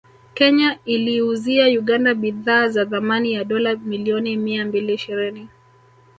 Kenya iliiuzia Uganda bidhaa za thamani ya dola milioni mia mbili ishirini